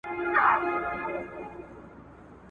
د کښتۍ مسافر `